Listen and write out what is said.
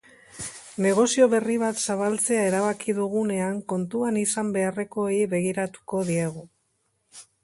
Negozio berri bat zabaltzea erabaki dugunean kontuan izan beharrekoei begiratuko diegu.